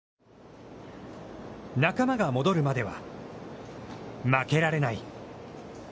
仲間が戻るまでは、負けられない。